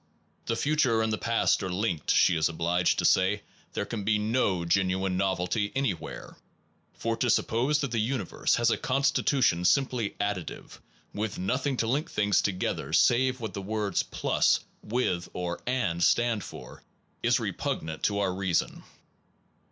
The future and the past are linked, she is obliged to say; there can be no genuine novelty any where, for to suppose that the universe has a constitution simply additive, with nothing to link things together save what the words plus, with/ or and stand for, is repugnant to our reason.